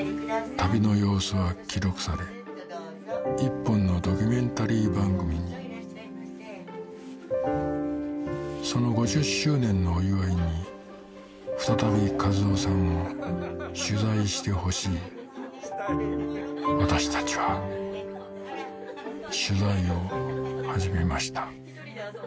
旅の様子は記録され１本のドキュメンタリー番組にその５０周年のお祝いに再び一男さんを取材してほしい私たちは取材を始めました